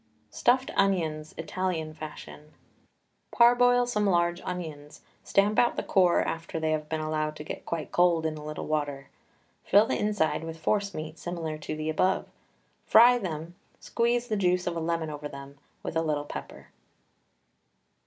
STUFFED ONIONS (ITALIAN FASHION). Parboil some large onions, stamp out the core after they have been allowed to get quite cold in a little water; fill the inside with forcemeat similar to the above; fry then), squeeze the juice of a lemon over them, with a little pepper.